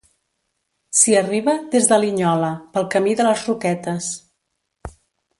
S'hi arriba, des de Linyola, pel Camí de les Roquetes.